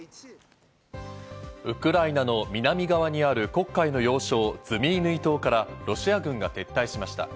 ウクライナの南側にある黒海の要衝、ズミイヌイ島からロシア軍が撤退しました。